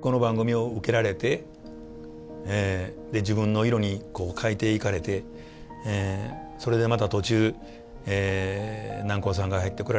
この番組を受けられて自分の色に変えていかれてそれでまた途中南光さんが入ってこられたりして。